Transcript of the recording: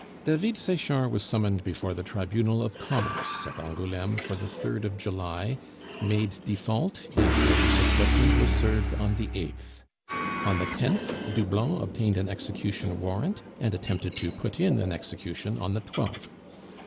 David Sechard was summoned before the Tribunal of Commerce at Angouleme for the 3rd of July, made default, and notice of judgment was served on the 8th. On the 10th, Doublon obtained an execution warrant, and attempted to put in an execution on the 12th.